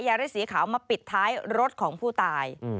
ฤทธิสีขาวมาปิดท้ายรถของผู้ตาย